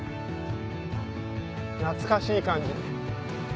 懐かしい感じ。